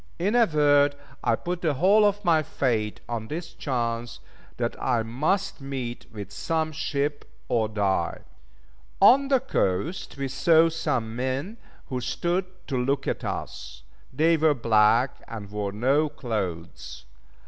In a word, I put the whole of my fate on this chance, that I must meet with some ship, or die. On the coast we saw some men who stood to look at us. They were black, and wore no clothes.